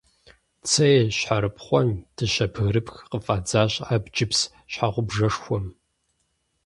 Цей, щхьэрыпхъуэн, дыщэ бгырыпх къыфӀэдзащ абджыпс щхьэгъубжэшхуэм.